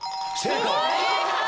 正解！